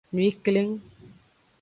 Nwi kleng.